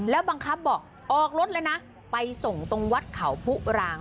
แล้วบังคับบอกออกรถเลยนะไปส่งตรงวัดเขาผู้ราง